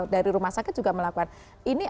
dari rumah sakit juga melakukan ini